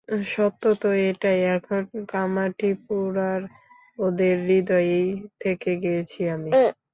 সত্যতো এটাই এখন কামাঠিপুরার ওদের হৃদয়েই থেকে গিয়েছি আমি।